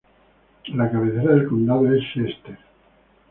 La cabecera del condado es Chester.